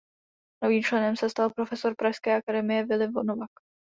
Novým členem se stal profesor pražské Akademie Willi Nowak.